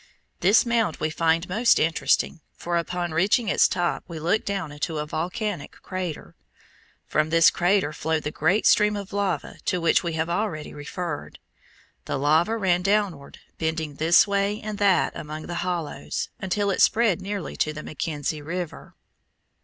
This mound we find most interesting, for upon reaching its top we look down into a volcanic crater. From this crater flowed the great stream of lava to which we have already referred. The lava ran downward, bending this way and that among the hollows, until it spread nearly to the McKenzie River.